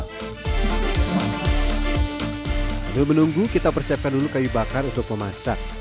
sambil menunggu kita persiapkan dulu kayu bakar untuk memasak